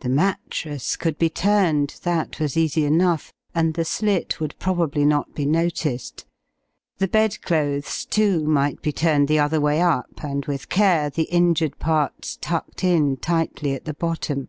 The mattress could be turned that was easy enough, and the slit would probably not be noticed. The bedclothes, too, might be turned the other way up, and with care the injured parts tucked in tightly at the bottom.